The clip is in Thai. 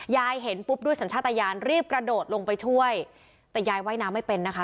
เห็นปุ๊บด้วยสัญชาติยานรีบกระโดดลงไปช่วยแต่ยายว่ายน้ำไม่เป็นนะคะ